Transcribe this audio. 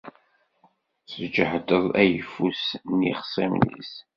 Tesǧehdeḍ ayeffus n yixṣimen-is.